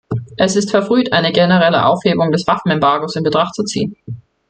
Es ist verfrüht, eine generelle Aufhebung des Waffenembargos in Betracht zu ziehen.